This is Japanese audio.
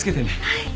はい。